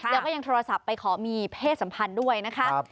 แล้วก็ยังโทรศัพท์ไปขอมีเพศสัมพันธ์ด้วยนะคะ